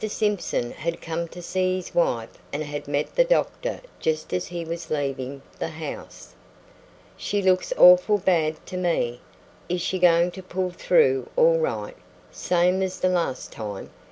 Simpson had come to see his wife and had met the doctor just as he was leaving the house. "She looks awful bad to me. Is she goin' to pull through all right, same as the last time?"